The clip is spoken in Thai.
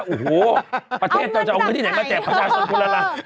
โอ้โฮประเทศจะเอาไว้ที่ไหนมาแจกประชาชนคนละล้าน